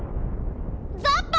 ザッパ！